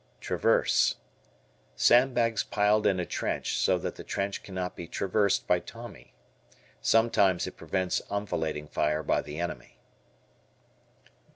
Traverse. Sandbags piled in a trench so that the trench cannot be traversed by Tommy. Sometimes it prevents enfilading fire by the enemy.